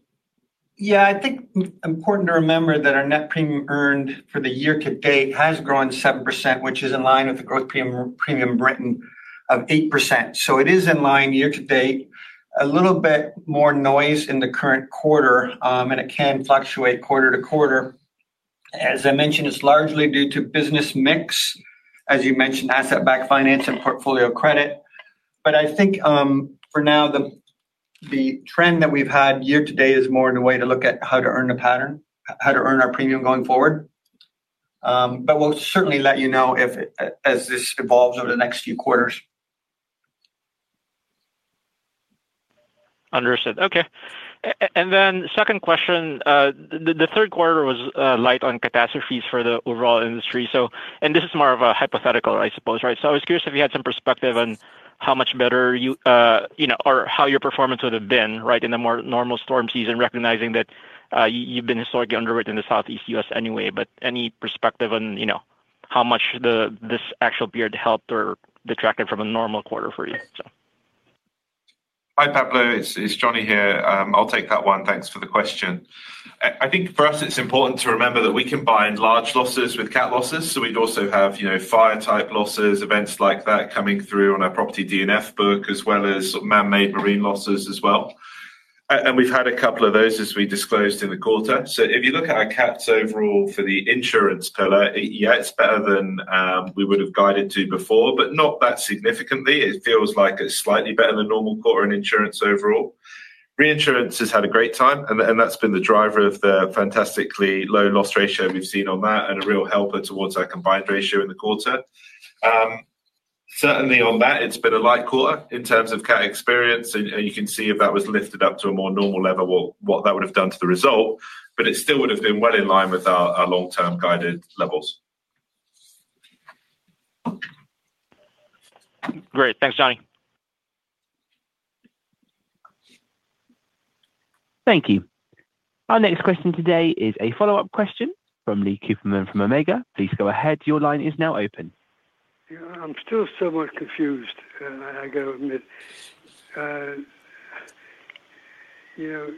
Yeah, I think important to remember that our net premiums earned for the year to date has grown 7%, which is in line with the gross premiums written of 8%. So it is in line year to date. A little bit more noise in the current quarter, and it can fluctuate quarter to quarter. As I mentioned, it's largely due to business mix, as you mentioned, asset-backed finance and portfolio credit. But I think for now, the trend that we've had year to date is more in a way to look at how to earn a pattern, how to earn our premium going forward. But we'll certainly let you know as this evolves over the next few quarters. Understood. Okay. And then second question, the third quarter was light on catastrophes for the overall industry. And this is more of a hypothetical, I suppose, right? So I was curious if you had some perspective on how much better or how your performance would have been, right, in a more normal storm season, recognizing that you've been historically underwritten in the Southeast U.S. anyway. But any perspective on how much this actual period helped or detracted from a normal quarter for you? Hi, Pablo. It's Jonny here. I'll take that one. Thanks for the question. I think for us, it's important to remember that we combine large losses with CAT losses. So we'd also have fire-type losses, events like that coming through on our property D&F book, as well as man-made marine losses as well. And we've had a couple of those as we disclosed in the quarter. So if you look at our CAT overall for the insurance pillar, yeah, it's better than we would have guided to before, but not that significantly. It feels like it's slightly better than normal quarter in insurance overall. Reinsurance has had a great time, and that's been the driver of the fantastically low loss ratio we've seen on that and a real helper towards our combined ratio in the quarter. Certainly on that, it's been a light quarter in terms of CAT experience. And you can see if that was lifted up to a more normal level, what that would have done to the result. But it still would have been well in line with our long-term guided levels. Great. Thanks, Jonny. Thank you. Our next question today is a follow-up question from Lee Cooperman from Omega. Please go ahead. Your line is now open. I'm still somewhat confused. I got to admit,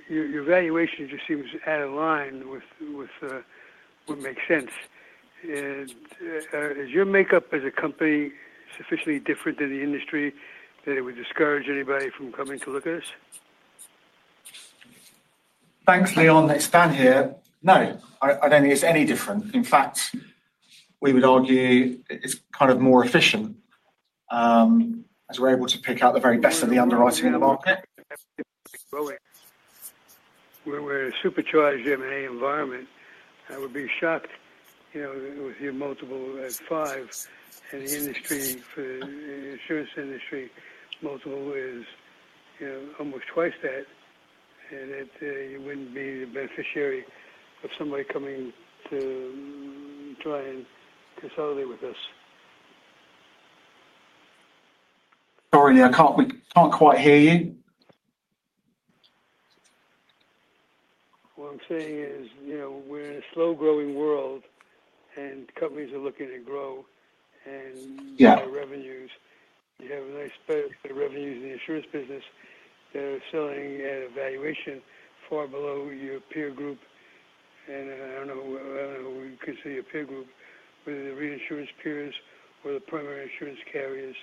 your valuation just seems out of line with what makes sense. Is your makeup as a company sufficiently different than the industry that it would discourage anybody from coming to look at us? Thanks, Leon. It's Dan here. No, I don't think it's any different. In fact, we would argue it's kind of more efficient as we're able to pick out the very best of the underwriting in the market. We're a supercharged M&A environment. I would be shocked with your multiple at five. And the industry, for the insurance industry, multiple is almost twice that. And you wouldn't be the beneficiary of somebody coming to try and consolidate with us. Sorry, I can't quite hear you. What I'm saying is we're in a slow-growing world, and companies are looking to grow and get revenues. You have a nice spread of revenues in the insurance business. They're selling at a valuation far below your peer group. And I don't know who you consider your peer group, whether they're reinsurance peers or the primary insurance carriers.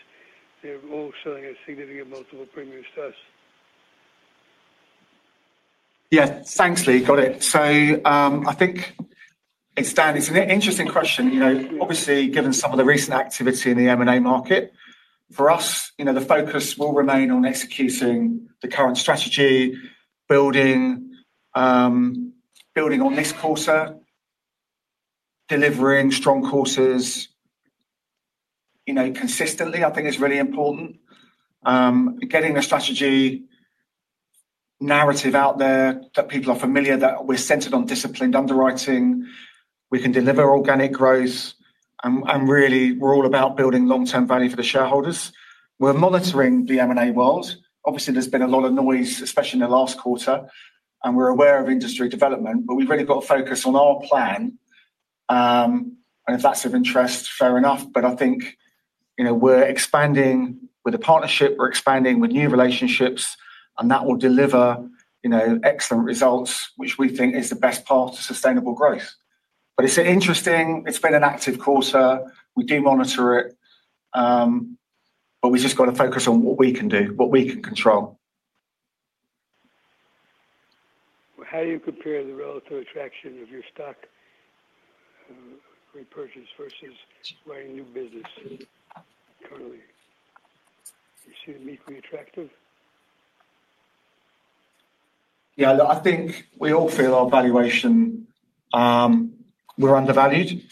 They're all selling a significant multiple premium stuff. Yeah. Thanks, Lee. Got it. So I think. It's Dan. It's an interesting question. Obviously, given some of the recent activity in the M&A market, for us, the focus will remain on executing the current strategy, building on this quarter, delivering strong quarters consistently, I think is really important. Getting the strategy narrative out there that people are familiar that we're centered on disciplined underwriting. We can deliver organic growth. And really, we're all about building long-term value for the shareholders. We're monitoring the M&A world. Obviously, there's been a lot of noise, especially in the last quarter. And we're aware of industry development, but we've really got to focus on our plan. And if that's of interest, fair enough. But I think we're expanding with a partnership. We're expanding with new relationships. And that will deliver excellent results, which we think is the best path to sustainable growth. But it's interesting. It's been an active quarter. We do monitor it. But we've just got to focus on what we can do, what we can control. How do you compare the relative attraction of your stock repurchase versus running new business currently? You see it as equally attractive? Yeah. I think we all feel our valuation, we're undervalued.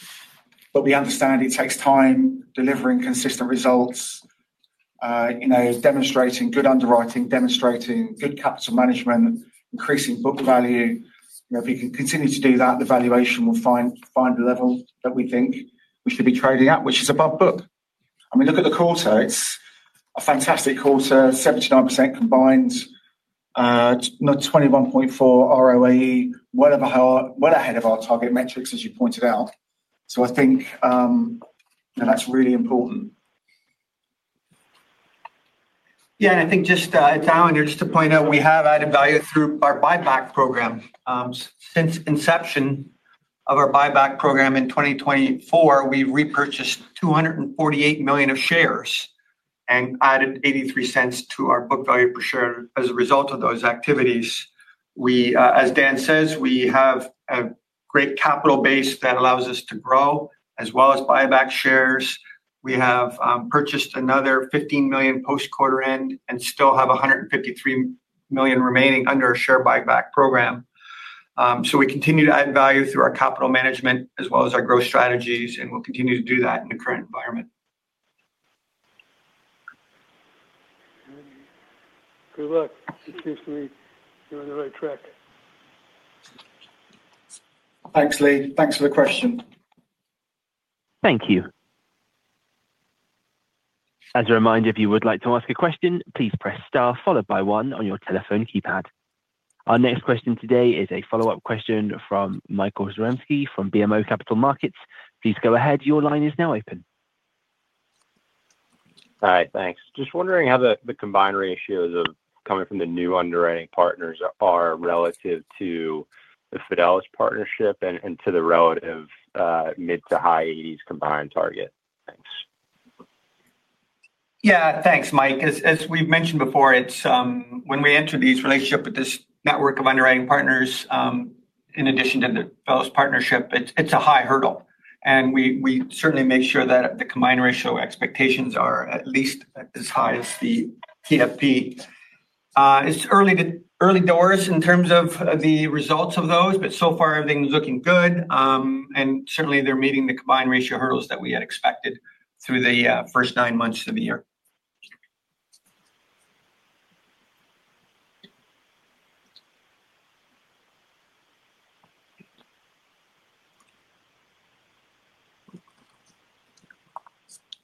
But we understand it takes time delivering consistent results, demonstrating good underwriting, demonstrating good capital management, increasing book value. If we can continue to do that, the valuation will find the level that we think we should be trading at, which is above book. I mean, look at the quarter. It's a fantastic quarter, 79% combined, 21.4% ROAE, well ahead of our target metrics, as you pointed out. So I think that's really important. Yeah. And I think just. It's Allan, just to point out, we have added value through our buyback program. Since inception of our buyback program in 2024, we've repurchased 248 million of shares and added 83 cents to our book value per share as a result of those activities. As Dan says, we have a great capital base that allows us to grow as well as buy back shares. We have purchased another 15 million post-quarter end and still have 153 million remaining under our share buyback program. So we continue to add value through our capital management as well as our growth strategies, and we'll continue to do that in the current environment. Good luck. It seems to be going the right track. Thanks, Lee. Thanks for the question. Thank you. As a reminder, if you would like to ask a question, please press star followed by one on your telephone keypad. Our next question today is a follow-up question from Michael Zaremsky from BMO Capital Markets. Please go ahead. Your line is now open. Hi. Thanks. Just wondering how the combined ratios of coming from the new underwriting partners are relative to the Fidelis partnership and to the relative mid to high 80s combined target. Thanks. Yeah. Thanks, Mike. As we've mentioned before, when we enter these relationships with this network of underwriting partners, in addition to the Fidelis partnership, it's a high hurdle. And we certainly make sure that the combined ratio expectations are at least as high as the TFP. It's early doors in terms of the results of those, but so far, everything's looking good. And certainly, they're meeting the combined ratio hurdles that we had expected through the first nine months of the year.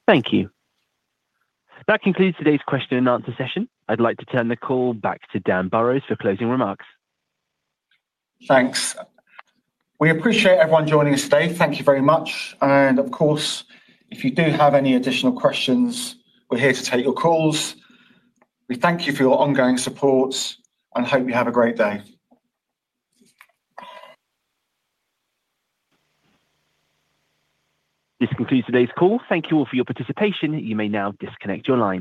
Thank you. That concludes today's question-and-answer session. I'd like to turn the call back to Dan Burrows for closing remarks. Thanks. We appreciate everyone joining us today. Thank you very much. And of course, if you do have any additional questions, we're here to take your calls. We thank you for your ongoing support and hope you have a great day. This concludes today's call. Thank you all for your participation. You may now disconnect your line.